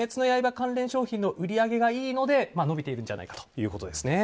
関連商品の売り上げがいいので伸びているんじゃないかということです。